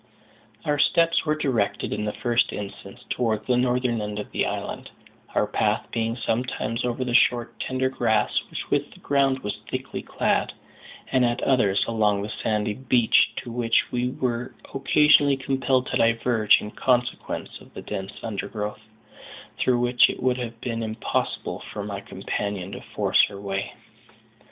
Our steps were directed, in the first instance, towards the northern end of the island; our path being sometimes over the short tender grass with which the ground was thickly clad, and at others along the sandy beach, to which we were occasionally compelled to diverge in consequence of the dense undergrowth, through which it would have been impossible for my companion to force her way.